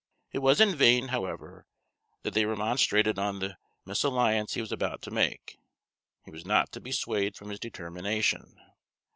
It was in vain, however, that they remonstrated on the misalliance he was about to make; he was not to be swayed from his determination.